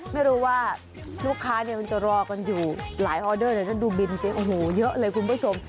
ไม่รู้ว่าลูกค้าเนี่ยมันจะรอกันอยู่หลายออเดอร์เดี๋ยวฉันดูบินสิโอ้โหเยอะเลยคุณผู้ชม